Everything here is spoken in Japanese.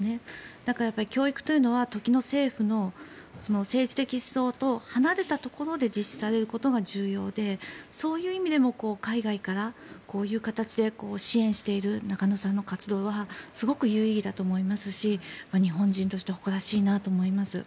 だから、教育というのは時の政府の政治的思想と離れたところで実施されることが重要でそういう意味でも海外からこういう形で支援している中野さんの活動はすごく有意義だと思いますし日本人として誇らしいなと思います。